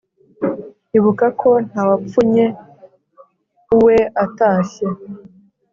ibuka ko nta wapfunye uwe atashye